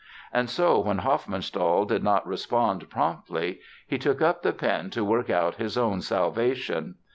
And so, when Hofmannsthal did not "respond" promptly he took up the pen to work out his own salvation.